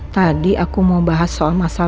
tadi aku mau bahas soal masalah